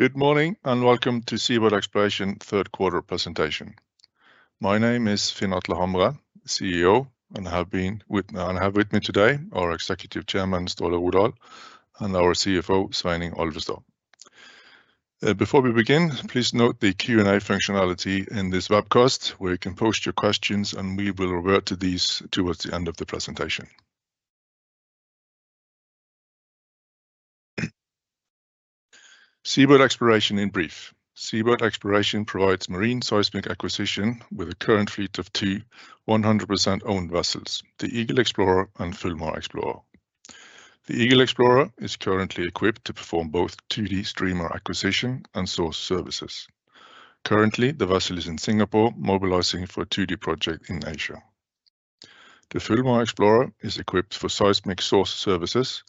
Good morning, and welcome to SeaBird Exploration Q3 presentation. My name is Finn Atle Hamre, CEO, and I have with me today our Executive Chairman, Ståle Rodahl, and our CFO, Sveinung Alvestad. Before we begin, please note the Q&A functionality in this webcast, where you can post your questions, and we will revert to these towards the end of the presentation. SeaBird Exploration in brief. SeaBird Exploration provides marine seismic acquisition with a current fleet of two 100% owned vessels: the Eagle Explorer and Fulmar Explorer. The Eagle Explorer is currently equipped to perform both 2D streamer acquisition and source services. Currently, the vessel is in Singapore, mobilizing for a 2D project in Asia. The Fulmar Explorer is equipped for seismic source services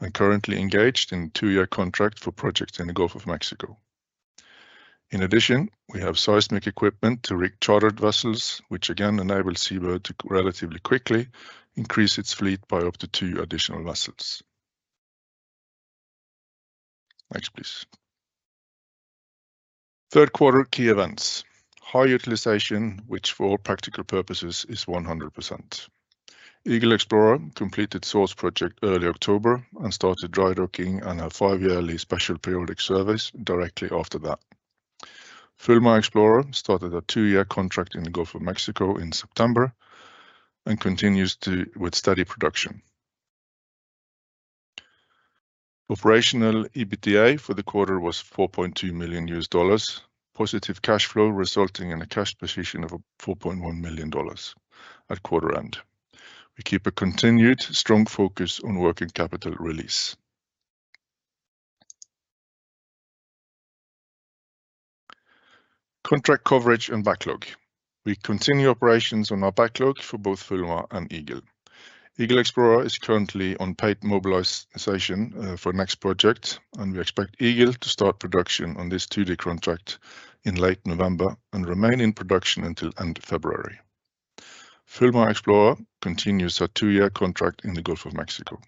and currently engaged in two-year contract for projects in the Gulf of Mexico. In addition, we have seismic equipment to rig chartered vessels, which again enable SeaBird to relatively quickly increase its fleet by up to two additional vessels. Next, please. Third quarter key events. High utilization, which, for practical purposes, is 100%. Eagle Explorer completed source project early October and started dry docking and a five-yearly special periodic service directly after that. Fulmar Explorer started a two-year contract in the Gulf of Mexico in September and continues to, with steady production. Operational EBITDA for the quarter was $4.2 million. Positive cash flow, resulting in a cash position of $4.1 million at quarter end. We keep a continued strong focus on working capital release. Contract coverage and backlog. We continue operations on our backlog for both Fulmar and Eagle. Eagle Explorer is currently on paid mobilization for next project, and we expect Eagle to start production on this 2D contract in late November and remain in production until end of February. Fulmar Explorer continues a two-year contract in the Gulf of Mexico.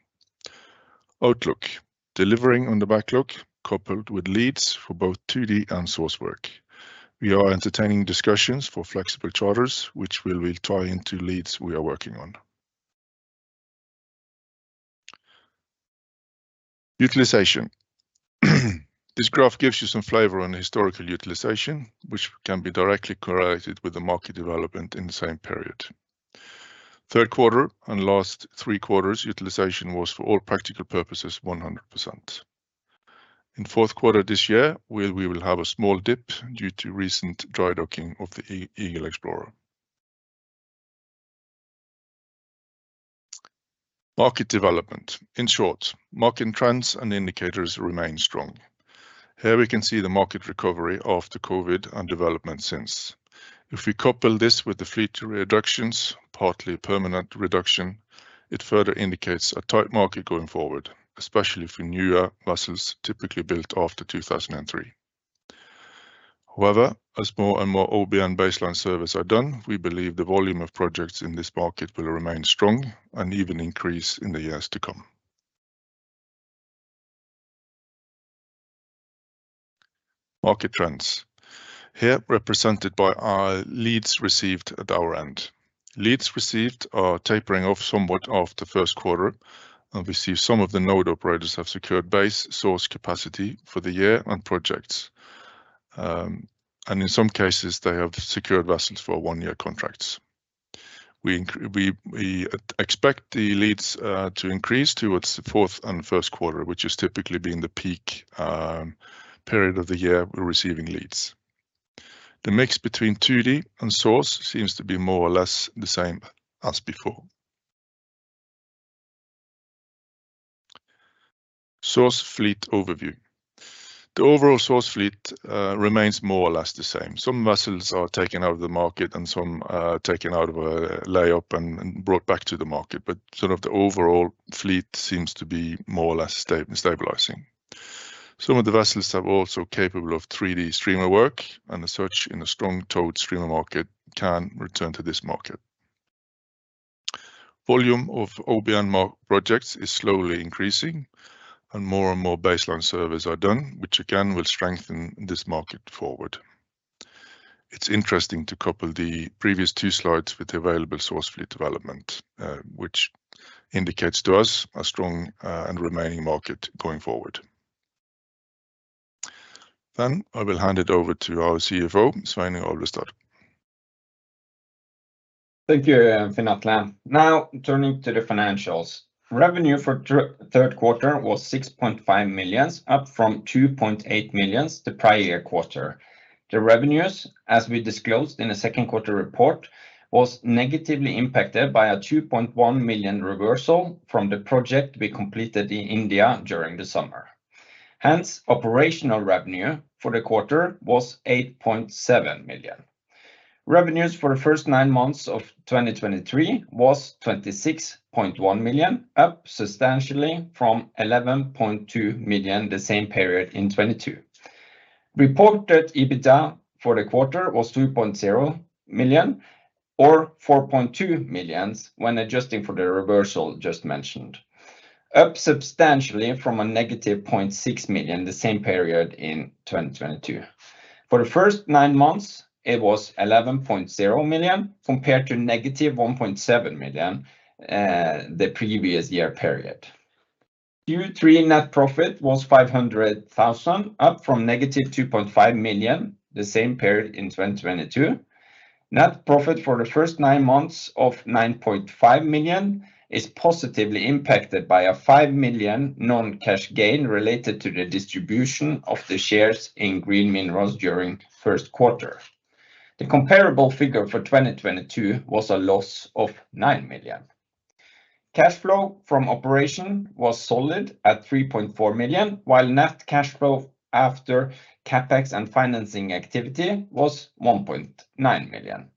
Outlook. Delivering on the backlog, coupled with leads for both 2D and source work. We are entertaining discussions for flexible charters, which will tie into leads we are working on. Utilization. This graph gives you some flavor on historical utilization, which can be directly correlated with the market development in the same period. Third quarter and last Q3, utilization was, for all practical purposes, 100%. In Q4 this year, we will have a small dip due to recent dry docking of the Eagle Explorer. Market development. In short, market trends and indicators remain strong. Here we can see the market recovery after COVID and development since. If we couple this with the fleet reductions, partly permanent reduction, it further indicates a tight market going forward, especially for newer vessels, typically built after 2003. However, as more and more OBN baseline surveys are done, we believe the volume of projects in this market will remain strong and even increase in the years to come. Market trends. Here, represented by our leads received at our end. Leads received are tapering off somewhat after Q1, and we see some of the node operators have secured base source capacity for the year and projects. And in some cases, they have secured vessels for one-year contracts. We, we expect the leads to increase towards the fourth and Q1, which is typically being the peak period of the year we're receiving leads. The mix between 2D and source seems to be more or less the same as before. Source fleet overview. The overall source fleet remains more or less the same. Some vessels are taken out of the market and some taken out of a lay-up and brought back to the market, but sort of the overall fleet seems to be more or less stabilizing. Some of the vessels are also capable of 3D streamer work, and the search in a strong towed streamer market can return to this market. Volume of OBN projects is slowly increasing, and more and more baseline surveys are done, which again, will strengthen this market forward. It's interesting to couple the previous two slides with the available source fleet development, which indicates to us a strong and remaining market going forward. I will hand it over to our CFO, Sveinung Alvestad. Thank you, Finn Atle. Now, turning to the financials. Revenue for the Q3 was $6.5 million, up from $2.8 million the prior quarter. The revenues, as we disclosed in the Q2 report, was negatively impacted by a $2.1 million reversal from the project we completed in India during the summer. Hence, operational revenue for the quarter was $8.7 million. Revenues for the first nine months of 2023 was $26.1 million, up substantially from $11.2 million the same period in 2022. Reported EBITDA for the quarter was $2.0 million, or $4.2 million when adjusting for the reversal just mentioned. Up substantially from a -$0.6 million the same period in 2022. For the first nine months, it was $11.0 million, compared to -$1.7 million the previous year period. Q3 net profit was $500,000, up from -$2.5 million the same period in 2022. Net profit for the first nine months of $9.5 million is positively impacted by a $5 million non-cash gain related to the distribution of the shares in Green Minerals during Q1. The comparable figure for 2022 was a loss of $9 million. Cash flow from operation was solid at $3.4 million, while net cash flow after CapEx and financing activity was $1.9 million.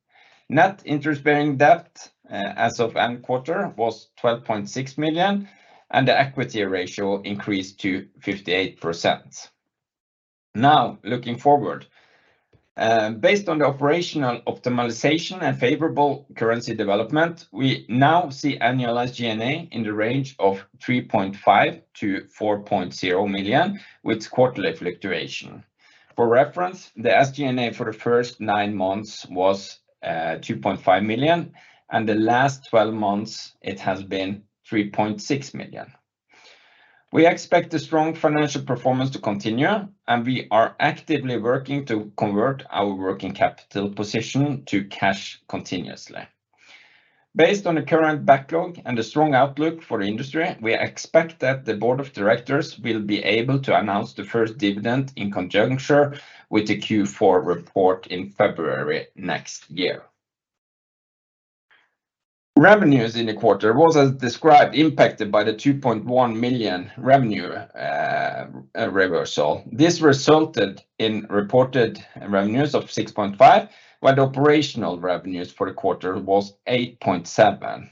Net interest-bearing debt as of end quarter was $12.6 million, and the equity ratio increased to 58%. Now, looking forward. Based on the operational optimization and favorable currency development, we now see annualized G&A in the range of $3.5 million-$4.0 million, with quarterly fluctuation. For reference, the SG&A for the first nine months was $2.5 million, and the last 12 months it has been $3.6 million. We expect the strong financial performance to continue, and we are actively working to convert our working capital position to cash continuously. Based on the current backlog and the strong outlook for the industry, we expect that the board of directors will be able to announce the first dividend in conjunction with the Q4 report in February next year. Revenues in the quarter was, as described, impacted by the $2.1 million revenue reversal. This resulted in reported revenues of $6.5 million, while the operational revenues for the quarter was $8.7 million,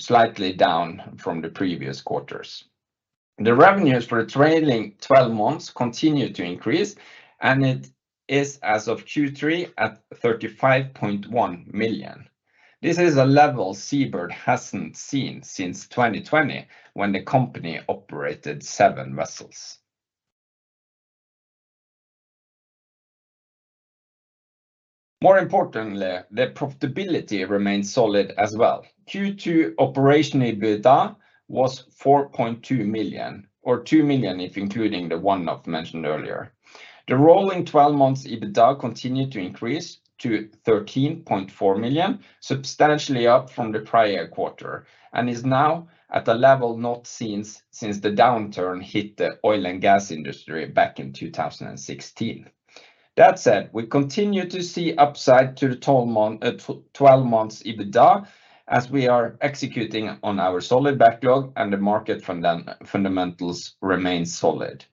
slightly down from the previous quarters. The revenues for the trailing twelve months continued to increase, and it is, as of Q3, at $35.1 million. This is a level SeaBird hasn't seen since 2020, when the company operated seven vessels. More importantly, the profitability remains solid as well. Q2 operational EBITDA was $4.2 million, or $2 million if including the one-off mentioned earlier. The rolling twelve months EBITDA continued to increase to $13.4 million, substantially up from the prior quarter, and is now at a level not seen since the downturn hit the oil and gas industry back in 2016. That said, we continue to see upside to the 12-month, 12 months EBITDA as we are executing on our solid backlog and the market fundamentals remains solid.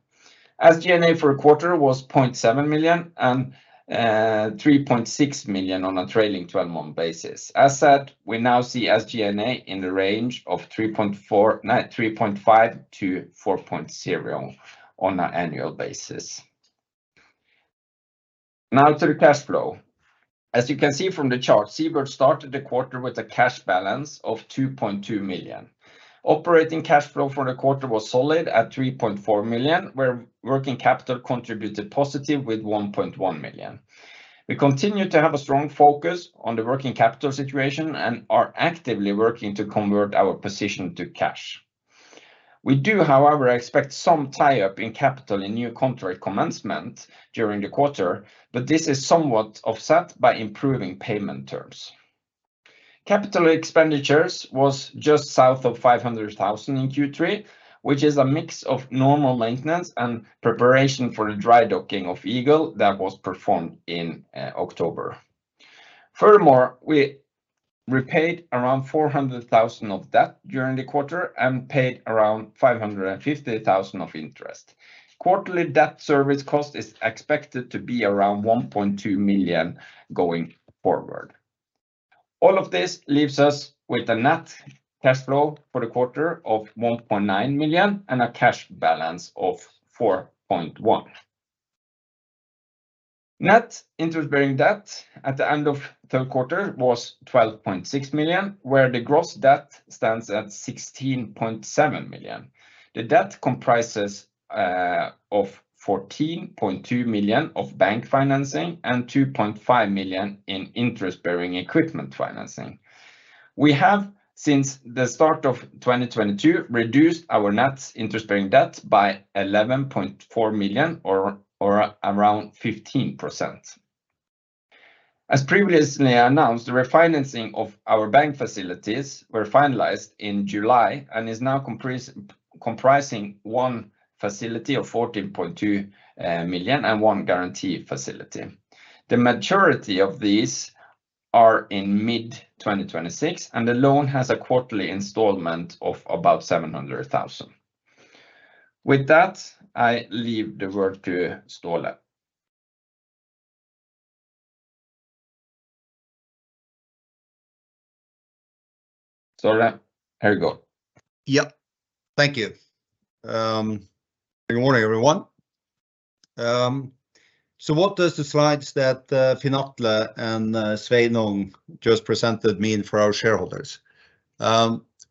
SG&A for the quarter was $0.7 million and $3.6 million on a trailing 12-month basis. As said, we now see SG&A in the range of $3.4-$3.9, $3.5-$4.0 million on an annual basis. Now to the cash flow. As you can see from the chart, SeaBird started the quarter with a cash balance of $2.2 million. Operating cash flow for the quarter was solid at $3.4 million, where working capital contributed positive with $1.1 million. We continue to have a strong focus on the working capital situation and are actively working to convert our position to cash. We do, however, expect some tie-up in capital in new contract commencement during the quarter, but this is somewhat offset by improving payment terms. Capital expenditures was just south of $500,000 in Q3, which is a mix of normal maintenance and preparation for the dry docking of Eagle that was performed in October. Furthermore, we repaid around $400,000 of debt during the quarter and paid around $550,000 of interest. Quarterly debt service cost is expected to be around $1.2 million going forward. All of this leaves us with a net cash flow for the quarter of $1.9 million and a cash balance of $4.1 million. Net interest-bearing debt at the end of third quarter was $12.6 million, where the gross debt stands at $16.7 million. The debt comprises of $14.2 million of bank financing and $2.5 million in interest-bearing equipment financing. We have, since the start of 2022, reduced our net interest-bearing debt by $11.4 million around 15%. As previously announced, the refinancing of our bank facilities were finalized in July and is now comprising one facility of $14.2 million and one guarantee facility. The maturity of these are in mid-2026, and the loan has a quarterly installment of about $700,000. With that, I leave the word to Ståle. Stale, here we go. Yep, thank you. Good morning, everyone. So what does the slides that Finn Atle and Sveinung just presented mean for our shareholders?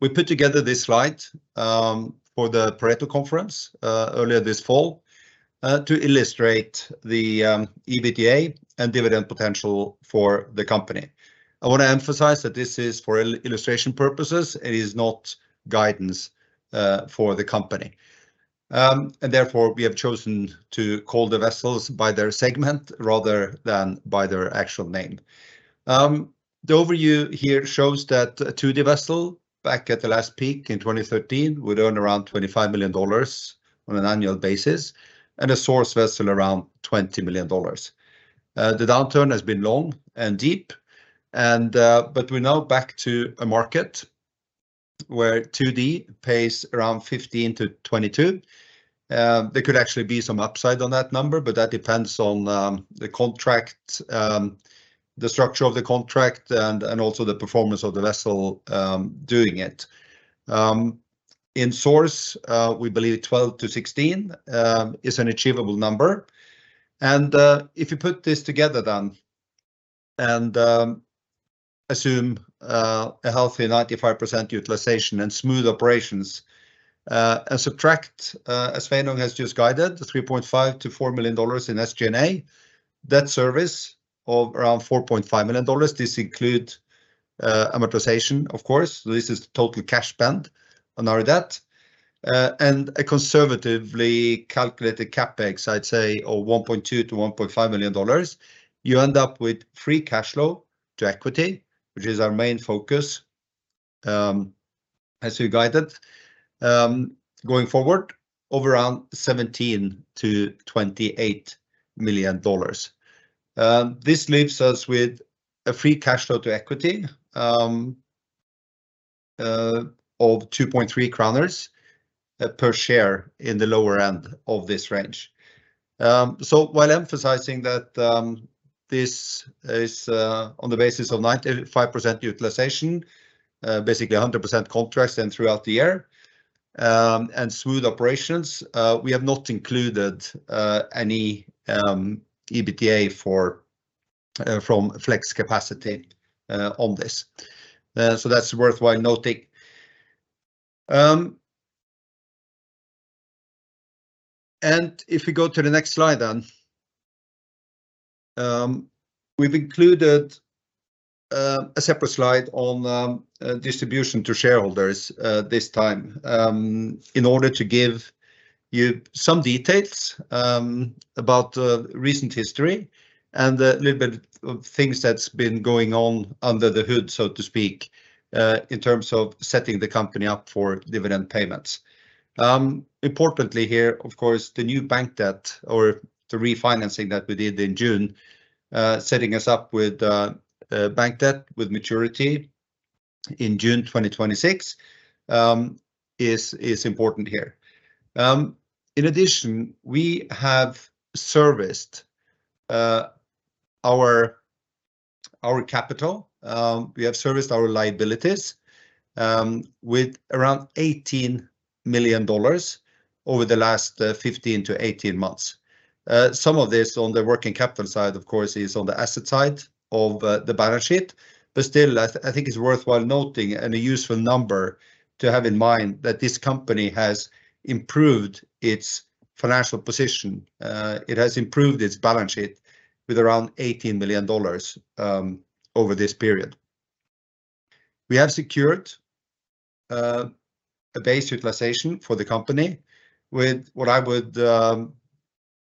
We put together this slide for the Pareto Conference earlier this fall to illustrate the EBITDA and dividend potential for the company. I want to emphasize that this is for illustration purposes, it is not guidance for the company. And therefore we have chosen to call the vessels by their segment rather than by their actual name. The overview here shows that a 2D vessel, back at the last peak in 2013, would earn around $25 million on an annual basis, and a source vessel around $20 million. The downturn has been long and deep and, but we're now back to a market where 2D pays around $15-$22. There could actually be some upside on that number, but that depends on, the contract, the structure of the contract and, and also the performance of the vessel, doing it. In source, we believe 12-16 is an achievable number, and, if you put this together then and, assume, a healthy 95% utilization and smooth operations, and subtract, as Sveinung has just guided, the $3.5 million-$4 million in SG&A, debt service of around $4.5 million, this include, amortization, of course. This is the total cash spend on our debt. A conservatively calculated CapEx, I'd say, of $1.2-$1.5 million, you end up with free cash flow to equity, which is our main focus, as we guided. Going forward, around $17-$28 million. This leaves us with a free cash flow to equity of 2.3 NOK per share in the lower end of this range. So while emphasizing that, this is on the basis of 95% utilization, basically 100% contracts and throughout the year, and smooth operations, we have not included any EBITDA from flex capacity on this. So that's worthwhile noting. And if we go to the next slide, then. We've included a separate slide on distribution to shareholders this time, in order to give you some details about recent history and a little bit of things that's been going on under the hood, so to speak, in terms of setting the company up for dividend payments. Importantly here, of course, the new bank debt or the refinancing that we did in June setting us up with bank debt, with maturity in June 2026, is important here. In addition, we have serviced our capital. We have serviced our liabilities with around $18 million over the last 15-18 months. Some of this on the working capital side, of course, is on the asset side of the balance sheet, but still, I think it's worthwhile noting and a useful number to have in mind, that this company has improved its financial position. It has improved its balance sheet with around $18 million over this period. We have secured a base utilization for the company with what I would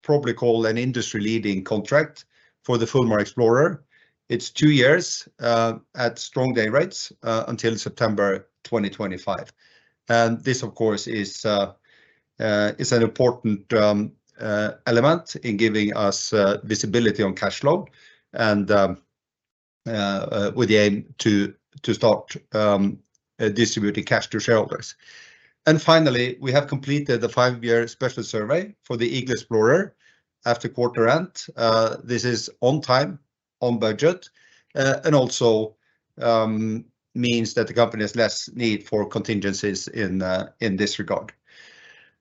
probably call an industry-leading contract for the Fulmar Explorer. It's two years at strong day rates until September 2025. And this, of course, is an important element in giving us visibility on cash flow and with the aim to start distributing cash to shareholders. And finally, we have completed the five-year special survey for the Eagle Explorer after quarter end. This is on time, on budget, and also means that the company has less need for contingencies in this regard.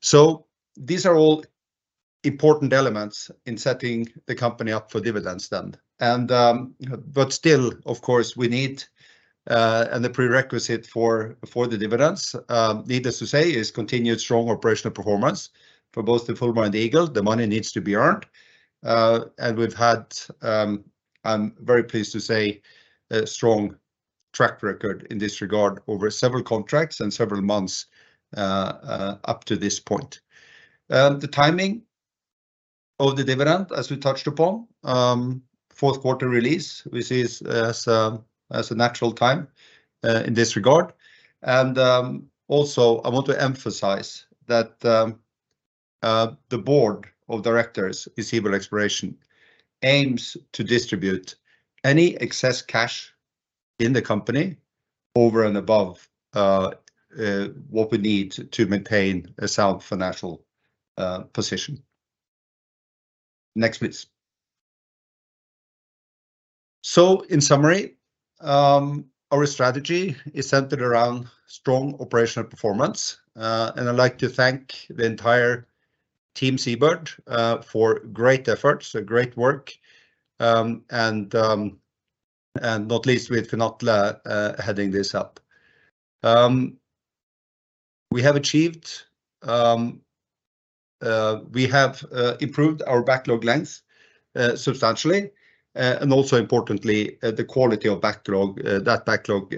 So these are all important elements in setting the company up for dividends then. But still, of course, we need and the prerequisite for the dividends, needless to say, is continued strong operational performance for both the Fulmar and the Eagle. The money needs to be earned. And we've had, I'm very pleased to say, a strong track record in this regard over several contracts and several months up to this point. The timing of the dividend, as we touched upon, Q4 release, we see as a natural time in this regard. Also, I want to emphasize that the board of directors in SeaBird Exploration aims to distribute any excess cash in the company over and above what we need to maintain a sound financial position. Next, please. So in summary, our strategy is centered around strong operational performance. And I'd like to thank the entire Team SeaBird for great efforts, great work. And not least with Finn Atle heading this up. We have achieved, we have improved our backlog length substantially. And also importantly, the quality of backlog, that backlog,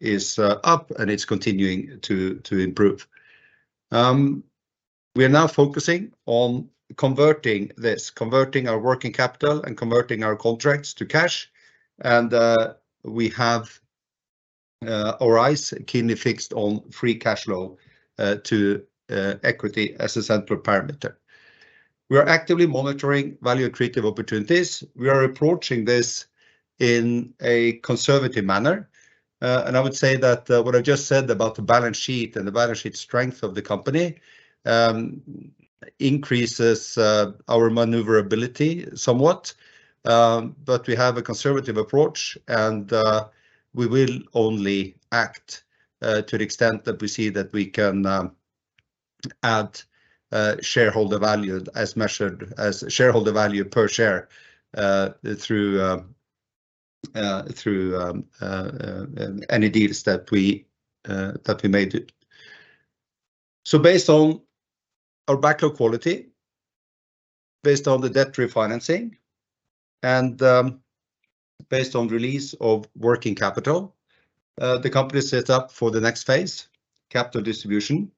is up and it's continuing to improve. We are now focusing on converting this, converting our working capital and converting our contracts to cash, and we have our eyes keenly fixed on Free Cash Flow to Equity as a central parameter. We are actively monitoring value accretive opportunities. We are approaching this in a conservative manner. And I would say that what I just said about the balance sheet and the balance sheet strength of the company increases our maneuverability somewhat. But we have a conservative approach, and we will only act to the extent that we see that we can add shareholder value as measured as shareholder value per share through any deals that we made it. So based on our backlog quality, based on the debt refinancing, and based on release of working capital, the company is set up for the next phase, capital distribution.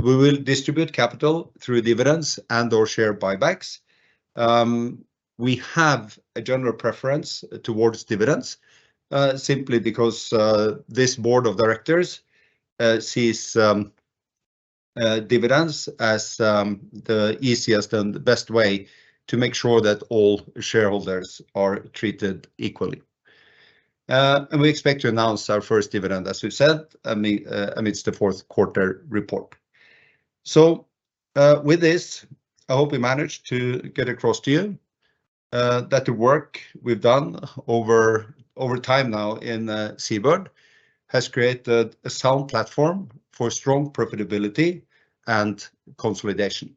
We will distribute capital through dividends and/or share buybacks. We have a general preference towards dividends, simply because this board of directors sees dividends as the easiest and the best way to make sure that all shareholders are treated equally. And we expect to announce our first dividend, as we've said, amidst the Q4 report. So, with this, I hope we managed to get across to you that the work we've done over time now in SeaBird has created a sound platform for strong profitability and consolidation.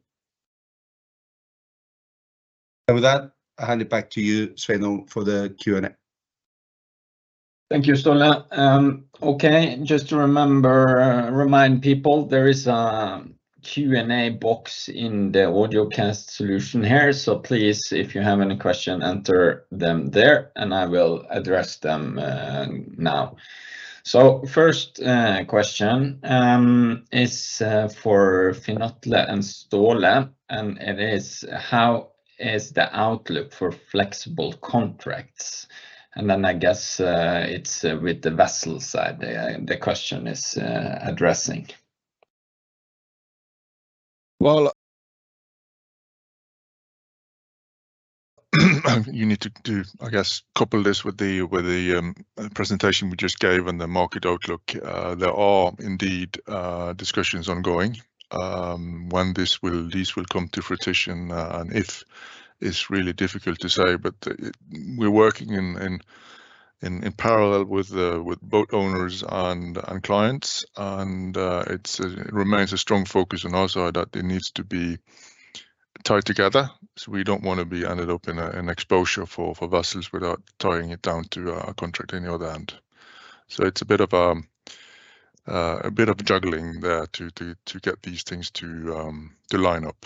And with that, I hand it back to you, Sveinung, for the Q&A. Thank you, Ståle. Okay, just to remember, remind people, there is a Q&A box in the audio cast solution here. So please, if you have any question, enter them there, and I will address them, now. So first, question, is, for Finn Atle and Ståle, and it is, "How is the outlook for flexible contracts?" And then I guess, it's, with the vessel side the, the question is, addressing. Well, you need to do, I guess, couple this with the presentation we just gave and the market outlook. There are indeed discussions ongoing. When this will come to fruition and if, it's really difficult to say. But, we're working in parallel with boat owners and clients, and it remains a strong focus on our side that it needs to be tied together. So we don't want to be ended up in an exposure for vessels without tying it down to a contract on the other end. So it's a bit of juggling there to get these things to line up.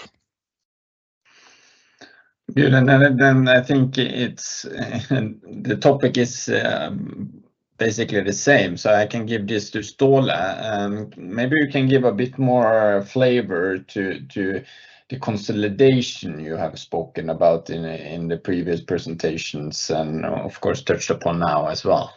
Good. And then I think it's, and the topic is, basically the same, so I can give this to Ståle. Maybe you can give a bit more flavor to consolidation you have spoken about in the previous presentations and, of course, touched upon now as well.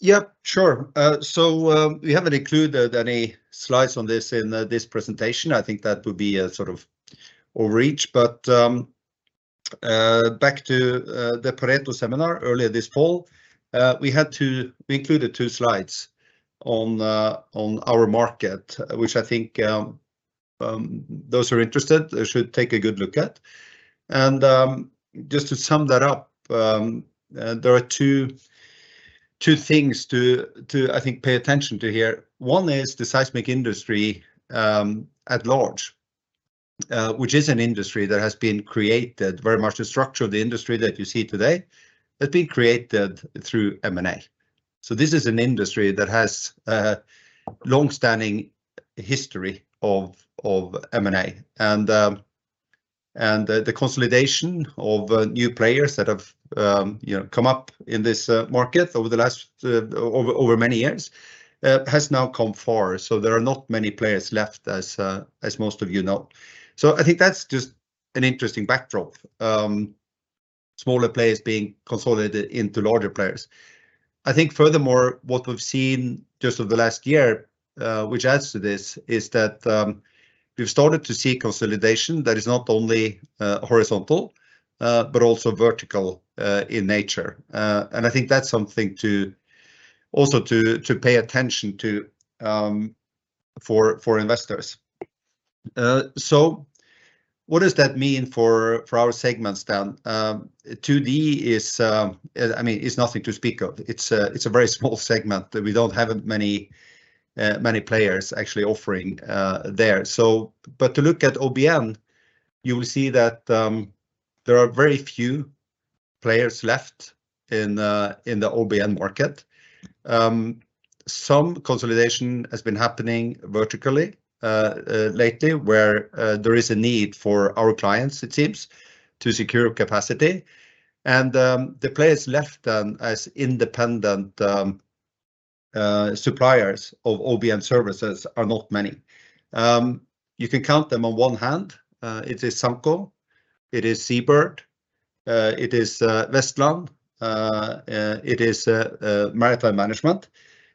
Yeah, sure. So, we haven't included any slides on this in this presentation. I think that would be a sort of overreach. But back to the Pareto Seminar earlier this fall, we included two slides on our market, which I think those who are interested, they should take a good look at. And just to sum that up, there are two things to, I think, pay attention to here. One is the seismic industry at large, which is an industry that has been created very much the structure of the industry that you see today have been created through M&A. So this is an industry that has a long-standing history of M&A. The consolidation of new players that have, you know, come up in this market over the last many years has now come far. So there are not many players left as most of you know. So I think that's just an interesting backdrop, smaller players being consolidated into larger players. I think furthermore, what we've seen just over the last year, which adds to this, is that we've started to see consolidation that is not only horizontal but also vertical in nature. And I think that's something to also pay attention to for investors. So what does that mean for our segments then? 2D is, I mean, it's nothing to speak of. It's a very small segment that we don't have many players actually offering there. So but to look at OBN, you will see that there are very few players left in the OBN market. Some consolidation has been happening vertically lately, where there is a need for our clients, it seems, to secure capacity. And the players left then as independent suppliers of OBN services are not many. You can count them on one hand. It is Sanko, it is SeaBird, it is Westland, it is Maritime Management,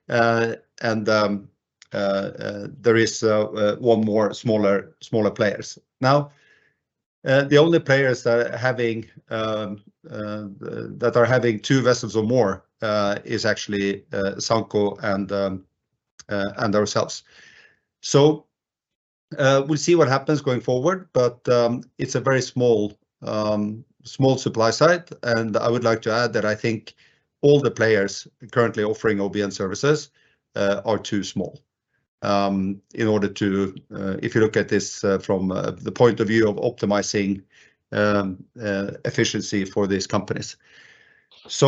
and there is one more smaller players. Now, the only players that are having two vessels or more is actually Sanko and ourselves. So, we'll see what happens going forward, but it's a very small supply side. And I would like to add that I think all the players currently offering OBN services are too small in order to. If you look at this from the point of view of optimizing efficiency for these companies. So,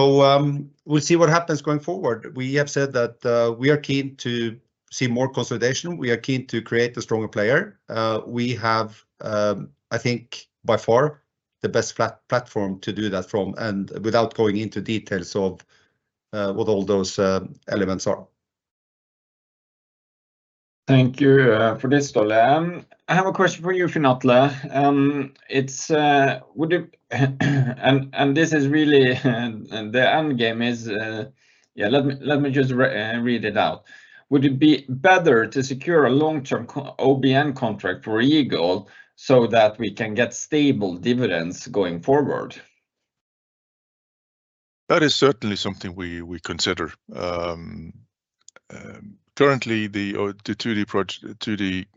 we'll see what happens going forward. We have said that we are keen to see more consolidation. We are keen to create a stronger player. We have, I think by far the best platform to do that from, and without going into details of what all those elements are. Thank you for this, Ståle. I have a question for you, Finn Atle. It's would it and this is really the end game is. Yeah, let me just re-read it out. "Would it be better to secure a long-term OBN contract for Eagle so that we can get stable dividends going forward? That is certainly something we, we consider. Currently, the 2D project, the 2D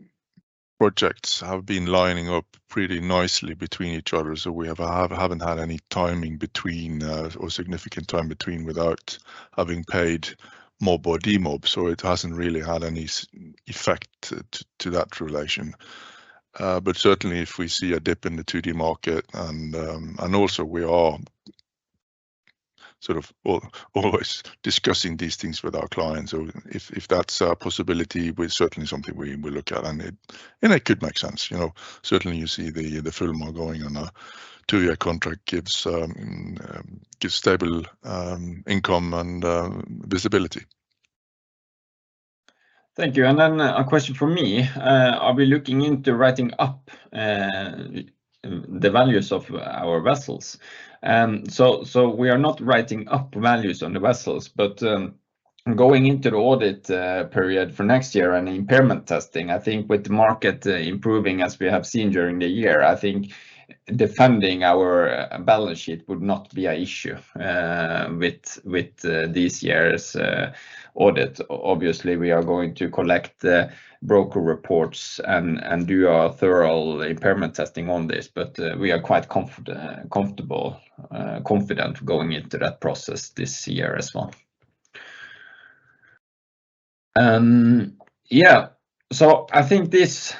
projects have been lining up pretty nicely between each other, so we haven't had any timing between or significant time between without having paid mob or demob, so it hasn't really had any effect to that relation. But certainly if we see a dip in the 2D market, and also we are always discussing these things with our clients, so if that's a possibility, well, it's certainly something we will look at, and it could make sense. You know, certainly you see the Fulmar going on a two-year contract gives stable income and visibility. Thank you. Then a question from me. "Are we looking into writing up the values of our vessels?" So we are not writing up values on the vessels, but going into the audit period for next year and impairment testing, I think with the market improving as we have seen during the year, I think defending our balance sheet would not be an issue with this year's audit. Obviously, we are going to collect the broker reports and do our thorough impairment testing on this, but we are quite comfortable confident going into that process this year as well. Yeah, so I think this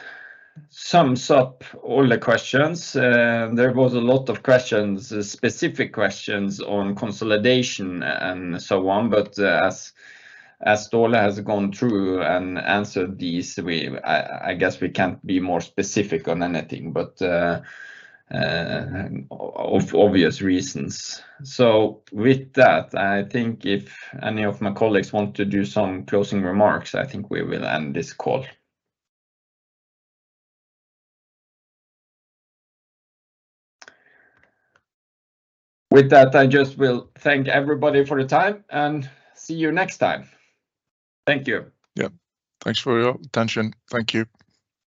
sums up all the questions. There was a lot of questions, specific questions on consolidation and so on, but, as Ståle has gone through and answered these, I guess we can't be more specific on anything, but, for obvious reasons. With that, I think if any of my colleagues want to do some closing remarks, I think we will end this call. With that, I just will thank everybody for the time, and see you next time. Thank you. Yeah. Thanks for your attention. Thank you.